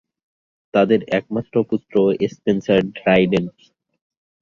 তাদের একমাত্র পুত্র স্পেন্সার ড্রাইডেন।